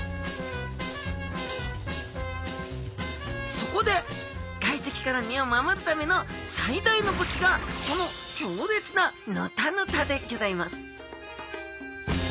そこで外敵から身を守るための最大の武器がこのきょうれつなヌタヌタでギョざいます